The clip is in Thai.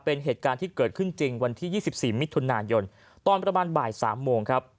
เป็นเหตุการณ์ที่เกิดขึ้นจริงวันที่๒๔มิถุนายนตอนประมาณบ่าย๓โมงครับ